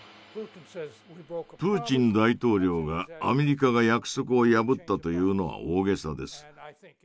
プーチン大統領がアメリカが約束を破ったというのは大げさです。